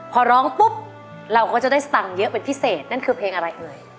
พอร้องปุ๊บเราก็จะได้สตังค์เยอะเป็นพิเศษนั่นคือเพลงอะไรเอ่ย